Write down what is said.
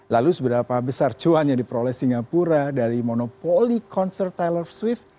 lalu seberapa besar cuan yang diperoleh singapura dari monopoli konsertiler swift